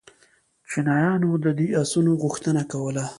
چینایانو د دې آسونو غوښتنه کوله